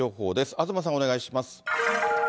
東さん、お願いします。